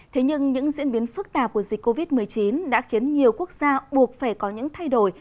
thế nhưng những diễn biến phức tạp của dịch covid một mươi chín đã khiến nhiều quốc gia buộc phải có những thay đổi